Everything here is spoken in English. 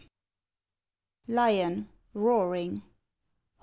Lion (roaring).